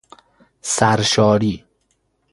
سر شاری